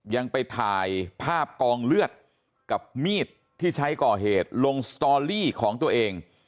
ยังไปถ่ายภาพกองเลือดกับมีดที่ใช้ก่อเหตุลงสตอรี่ของตัวเอง